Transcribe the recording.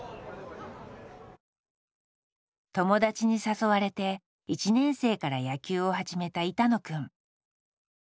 友達に誘われて１年生から野球を始めた板野くん。